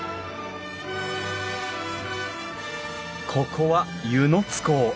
ここは温泉津港。